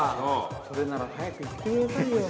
それなら早く言ってくださいよ。